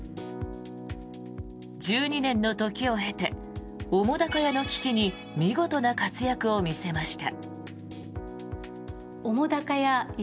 １２年の時を経て澤瀉屋の危機に見事な活躍を見せました。